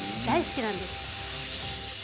大好きなんです。